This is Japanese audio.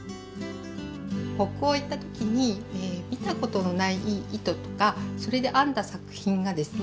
北欧行ったときに見たことのない糸とかそれで編んだ作品がですね